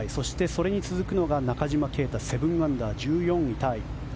それに続くのが中島啓太７アンダー、１４位タイ。